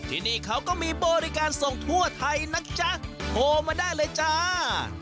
ที่นี่เขาก็มีบริการส่งทั่วไทยนะจ๊ะโทรมาได้เลยจ้า